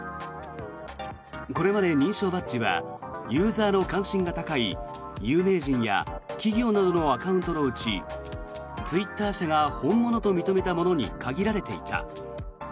これまで認証バッジはユーザーの関心が高い有名人や企業などのアカウントのうちツイッター社が本物と認めたものに限られていた。